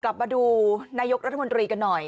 กลับมาดูนายกรัฐมนตรีกันหน่อย